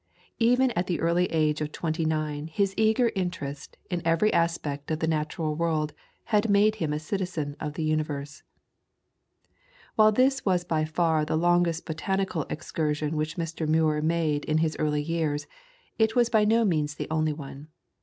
Even at the early age of twenty nine his eager interest in every aspect of the natural world had made him a citizen of the universe. While this was by far the longest botanical excursion which Mr. Muir made in his earlier years, it was by no means the only one.